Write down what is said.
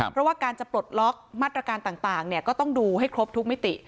เพราะว่าการจะปลดล็อกมาตรการต่างก็ต้องดูให้ครบทุกมิติ